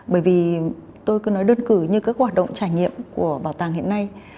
bởi vì tôi cứ nói đơn cử như các hoạt động trải nghiệm của bảo tàng hiện nay